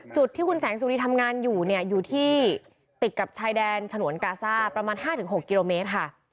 จุดที่คุณแสงสุรีทำงานอยู่เนี่ยอยู่ที่ติดกับชายแดนฉนวนกาซ่าประมาณ๕๖กิโลเมตรค่ะ